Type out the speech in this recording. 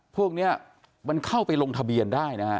พวกนี้เข้าไปลงทะเบียนได้